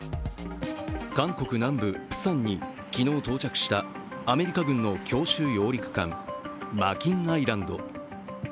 韓国南部・釜山に昨日到着したアメリカ軍の強襲揚陸艦「マキン・アイランド」